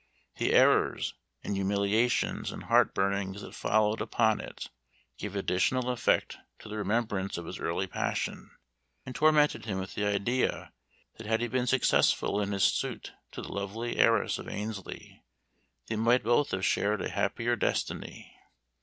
The errors, and humiliations, and heart burnings that followed upon it, gave additional effect to the remembrance of his early passion, and tormented him with the idea, that had he been successful in his suit to the lovely heiress of Annesley, they might both have shared a happier destiny.